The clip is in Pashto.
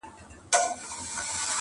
د غار خوله کي تاوېدله ګرځېدله,